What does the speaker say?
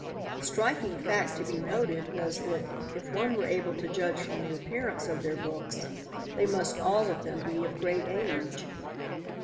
The striking fact to be noted was that, if one were able to judge from the appearance of their books, they must all of them be of great age.